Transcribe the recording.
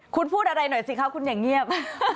คุณพูดอะไรหน่อยสิคะคุณอย่าเงียบ